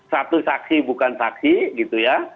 satu saksi bukan saksi gitu ya